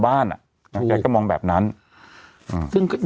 สวัสดีครับคุณผู้ชม